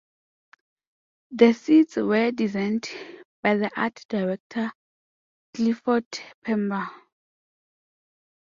The sets were designed by the art director Clifford Pember.